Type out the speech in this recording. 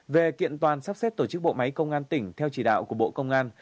về kiện toàn sắp xếp tổ chức bộ máy công an tỉnh theo chỉ đạo của bộ công an